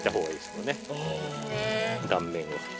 断面を。